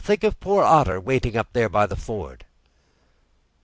"Think of poor Otter, waiting up there by the ford!"